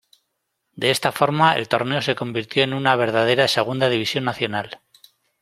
De esta forma, el torneo se convirtió en una verdadera Segunda División Nacional.